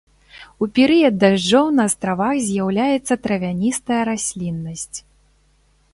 У перыяд дажджоў на астравах з'яўляецца травяністая расліннасць.